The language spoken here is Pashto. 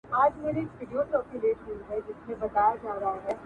اوس به د چا په سترګو وینم د وصال خوبونه.!